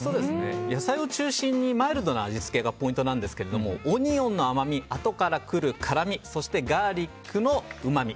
野菜を中心にマイルドな味付けがポイントなんですけどオニオンの甘みあとから来る辛みそして、ガーリックのうまみ。